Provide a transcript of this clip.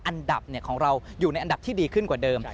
อันดับของเราอยู่ในอันดับที่ดีขึ้นกว่าเดิม